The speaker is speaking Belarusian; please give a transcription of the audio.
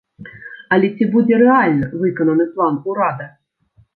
Але ці будзе рэальна выкананы план урада?